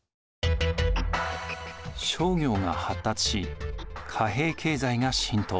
商業が発達し貨幣経済が浸透。